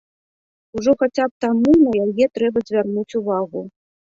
Ужо хаця б таму на яе трэба звярнуць увагу.